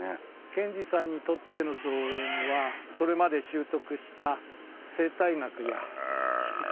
賢治さんにとっての造園はそれまで修得した生態学や色彩